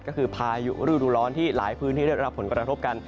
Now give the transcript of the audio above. ก็คือพายุฤดูร้อนที่หลายพื้นที่ได้รับผลกระทบกัน